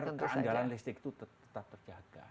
karena keandalan listrik itu tetap terjaga